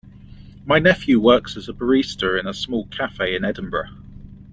My nephew works as a barista in a small cafe in Edinburgh.